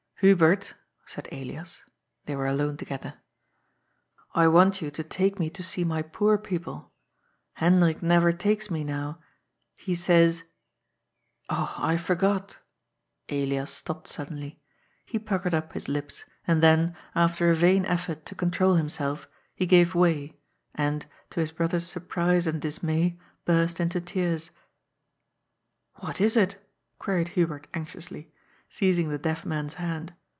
" Hubert," said Elias — they were alone together. " I want you to take me to see my poor people. Hendrik never takes me now. He says — Oh, I forgot I " Elias stopped suddenly. He puckered up his lips, and then, after a vain effort to control himself, he gave way, and, to his brother's surprise and dismay, burst into tears* "What is it?" queried Hubert anxiously, seizing the deaf man's hand.